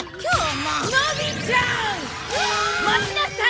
待ちなさい！